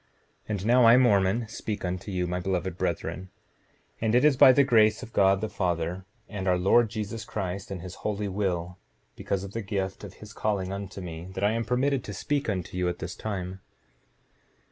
7:2 And now I, Mormon, speak unto you, my beloved brethren; and it is by the grace of God the Father, and our Lord Jesus Christ, and his holy will, because of the gift of his calling unto me, that I am permitted to speak unto you at this time.